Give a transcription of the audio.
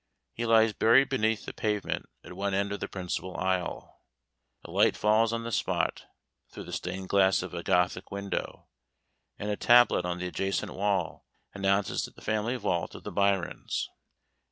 He lies buried beneath the pavement, at one end of the principal aisle. A light falls on the spot through the stained glass of a Gothic window, and a tablet on the adjacent wall announces the family vault of the Byrons.